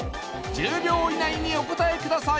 １０秒以内にお答えください